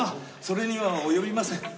それには及びません。